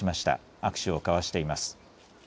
握手を交わしています。